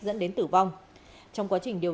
dẫn đến chết người